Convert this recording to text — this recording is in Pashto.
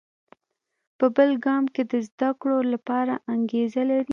په بل ګام کې د زده کړو لپاره انګېزه لري.